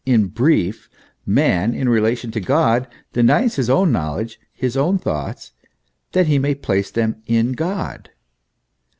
In brief, man in relation to God denies his own knowledge, his own thoughts, that he may place them in God.